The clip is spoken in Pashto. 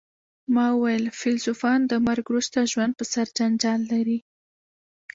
ما وویل فیلسوفان د مرګ وروسته ژوند په سر جنجال لري